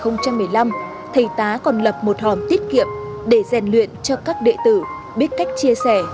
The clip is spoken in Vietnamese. năm hai nghìn một mươi năm thầy tá còn lập một hòm tiết kiệm để rèn luyện cho các đệ tử biết cách chia sẻ